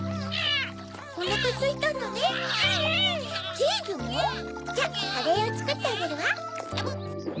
チーズも？じゃカレーをつくってあげるわ。